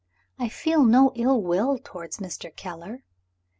I feel no ill will towards Mr. Keller.